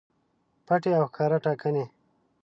پټې او ښکاره ټاکنې